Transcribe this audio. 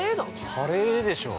◆カレーでしょう。